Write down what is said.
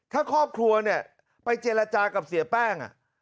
ถ้าครอบครัวเนี่ยไปเจรจากับเสียแป้ง